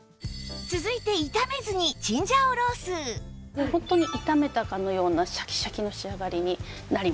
続いて炒めずにホントに炒めたかのようなシャキシャキの仕上がりになります。